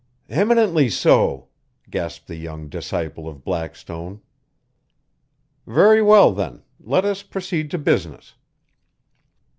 "Eminently so," gasped the young disciple of Blackstone. "Very well, then; let us proceed to business."